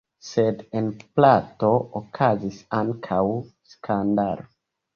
Sed en Prato okazis ankaŭ skandalo.